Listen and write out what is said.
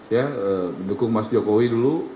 ya mendukung mas jokowi dulu